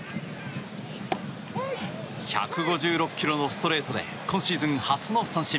１５６キロのストレートで今シーズン初の三振。